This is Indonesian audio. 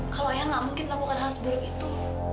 kalau enggak mungkin lakukan hal seburuk itu